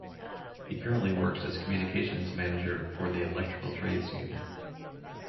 He currently works as communications manager for the Electrical Trades Union.